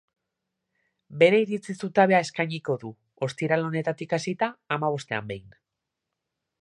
Bere iritzi zutabea eskainiko du, ostiral honetatik hasita, hamabostean behin.